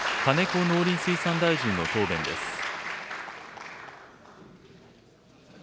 金子農林水産大臣の答弁です。